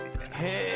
へえ！